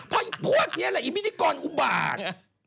เพราะพวกนี้แหละอิมิติกรอุบาก